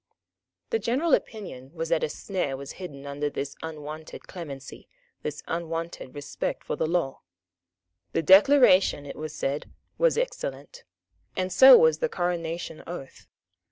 The general opinion was that a snare was hidden under this unwonted clemency, this unwonted respect for law. The Declaration, it was said, was excellent; and so was the Coronation oath.